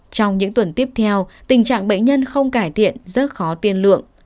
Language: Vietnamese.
trong những tuần tiếp theo tình trạng bệnh nhân không cải thiện rất khó tiên lượng